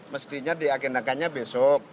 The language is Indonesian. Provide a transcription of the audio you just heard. mestinya diakendakannya besok